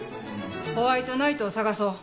ホワイトナイトを探そう。